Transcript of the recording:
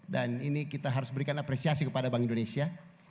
dan ini kita harus berikan apresiasi kepada bank indonesia